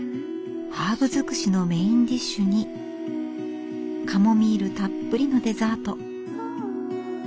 ハーブ尽くしのメインディッシュにカモミールたっぷりのデザート。